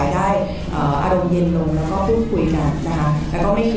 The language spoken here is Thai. ดังนั้นเนี่ยปรากฏการณ์การแทนของเราเนี่ย